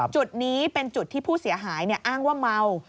จุดนี้เป็นจุดที่ผู้เสียหายอ้างว่าเมา